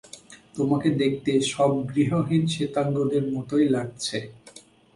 তোমাকে দেখতে সব গৃহহীন শ্বেতাঙ্গদের মতোই লাগছে।